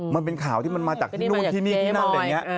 มันเป็นข่าวที่มันมาจากที่นู่นที่นี่ที่นั่น